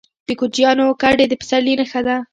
د کوچیانو کډې د پسرلي نښه ده.